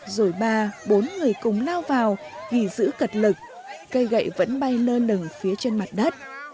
rồi ba bốn người cúng lao vào ghi giữ cật lực cây gậy vẫn bay lơ nừng phía trên mặt đất